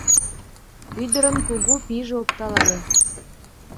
Ӱдырын кугу пийже опталале.